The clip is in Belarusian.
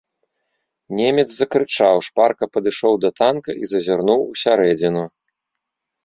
Немец закрычаў, шпарка падышоў да танка і зазірнуў у сярэдзіну.